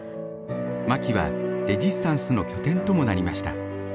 マキはレジスタンスの拠点ともなりました。